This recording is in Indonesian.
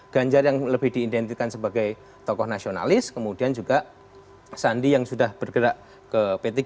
ganjar yang lebih diidentikan sebagai tokoh nasionalis kemudian juga sandi yang sudah bergerak ke p tiga